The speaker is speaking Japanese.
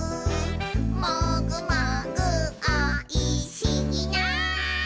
「もぐもぐおいしいな」